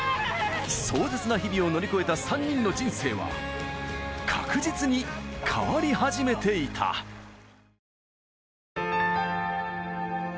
壮絶な日々を乗り越えた３人の人生は確実に変わり始めていた女性）